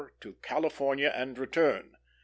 TO CALIFORNIA AND RETURN. 4.